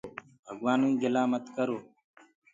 ڀگوآنو ڪيٚ گِلآ مت ڪرو۔